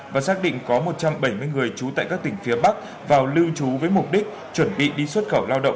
và xác định có một trăm bảy mươi người trú tại các tỉnh phía bắc vào lưu trú với mục đích chuẩn bị đi xuất khẩu lao động